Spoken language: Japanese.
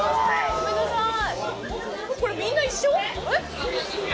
ごめんなさい。